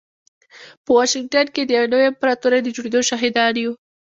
په واشنګټن کې د يوې نوې امپراتورۍ د جوړېدو شاهدان يو.